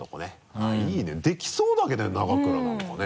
あぁいいねできそうだけどね永倉なんかね。